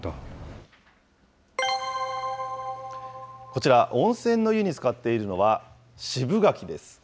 こちら、温泉の湯につかっているのは、渋柿です。